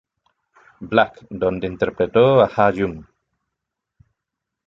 Black donde interpretó a Ha-joon.